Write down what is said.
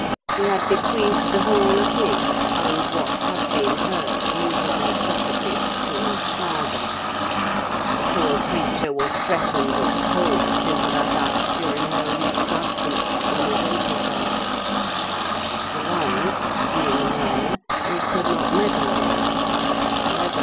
He had bequeathed the whole of his, and what had been her, moveable property, to his father: the poor creature was threatened, or coaxed, into that act during her week's absence, when his uncle died. The lands, being a minor, he could not meddle with.